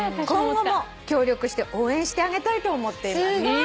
今後も協力して応援してあげたいと思っています」